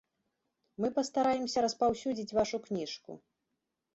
Мы пастараемся распаўсюдзіць вашу кніжку.